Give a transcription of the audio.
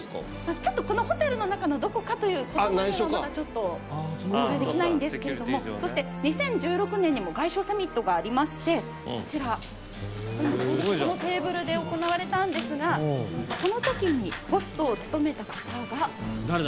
ちょっとこのホテルの中のどこかということまではまだちょっとお伝えできないんですけれどもそして２０１６年にも外相サミットがありましてこちらこのテーブルで行われたんですがその時にホストを務めた方が誰だ？